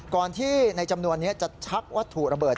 ก่อนที่ในจำนวนนี้จะชักวัตถุระเบิด